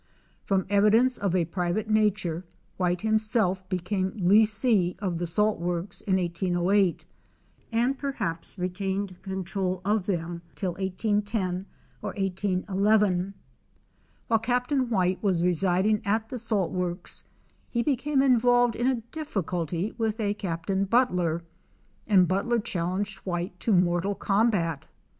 From evidence of a private nature. White himself became lessee of the salt works in 1808 and perhaps retained control of them till 1810 or 1811. While Captain White was residing at the salt works he became involved in a difficulty with a Captain Butler and Butler challenged White to mortal combat.